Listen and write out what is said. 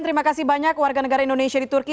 terima kasih banyak warga negara indonesia di turki